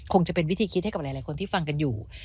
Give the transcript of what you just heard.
คงจะเป็นวิธีคิดให้กับหลายคนที่ฟังกันอยู่